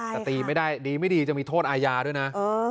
แต่ตีไม่ได้ดีไม่ดีจะมีโทษอาญาด้วยนะ